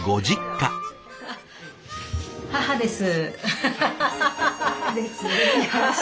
母です。